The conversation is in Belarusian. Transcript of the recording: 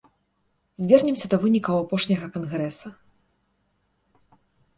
Звернемся да вынікаў апошняга кангрэса.